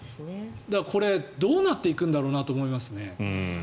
これ、どうなっていくんだろうなと思いますね。